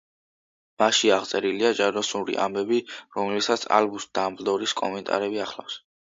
მასში აღწერილია ჯადოსნური ამბები, რომლებსაც ალბუს დამბლდორის კომენტარები ახლავს.